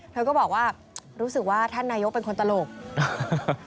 เธอก็บอกว่ารู้สึกว่าท่านนายกเป็นคนตลก